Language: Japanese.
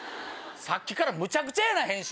さっきからむちゃくちゃやな編集！